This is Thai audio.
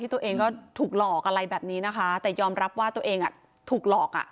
ตัวเองก็ถูกหลอกอะไรแบบนี้นะคะแต่ยอมรับว่าตัวเองถูกหลอกอ่ะ